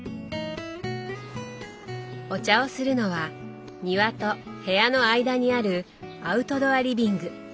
お茶をするのは庭と部屋の間にあるアウトドアリビング。